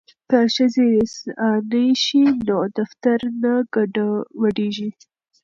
که ښځې ریسانې شي نو دفتر نه ګډوډیږي.